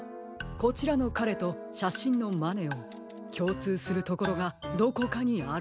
こちらのかれとしゃしんのマネオンきょうつうするところがどこかにあるはずです。